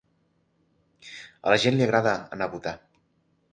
A la gent li agrada anar a votar.